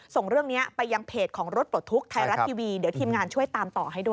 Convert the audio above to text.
ส่งเรื่องนี้ไปยังเพจของรถปลดทุกข์ไทยรัฐทีวีเดี๋ยวทีมงานช่วยตามต่อให้ด้วย